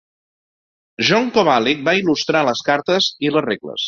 John Kovalic va il·lustrar les cartes i les regles.